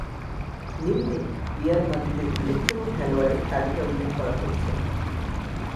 নিম্নে রিয়াল মাদ্রিদের উল্লেখযোগ্য খেলোয়াড়ের তালিকা উল্লেখ করা হয়েছে।